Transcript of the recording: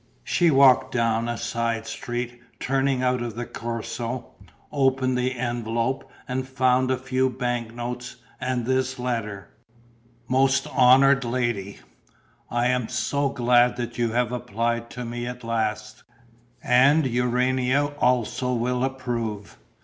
She walked down a side street turning out of the Corso, opened the envelope and found a few bank *notes and this letter: "Most honoured Lady, "I am so glad that you have applied to me at last; and Urania also will approve.